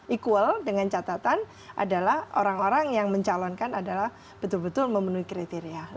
equal dengan catatan adalah orang orang yang mencalonkan adalah betul betul memenuhi kriteria